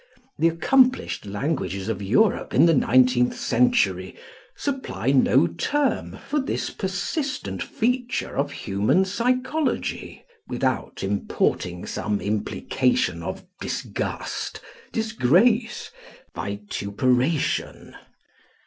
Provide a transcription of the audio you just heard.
The accomplished languages of Europe in the nineteenth century supply no term for this persistent feature of human psychology, without importing some implication of disgust, disgrace, vituperation.